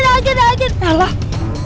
dah agak dah agak